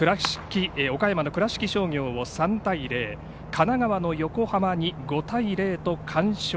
岡山の倉敷商業を３対０神奈川の横浜に５対０と完勝。